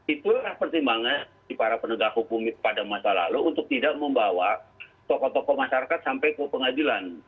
itulah pertimbangan para penegak hukum pada masa lalu untuk tidak membawa tokoh tokoh masyarakat sampai ke pengadilan